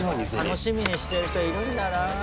楽しみにしてる人いるんだな。